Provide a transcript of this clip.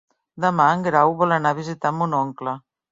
Demà en Grau vol anar a visitar mon oncle.